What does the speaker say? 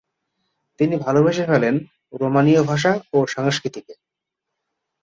তিনি ভালোবেসে ফেলেন রোমানীয় ভাষা ও সংস্কৃতিকে।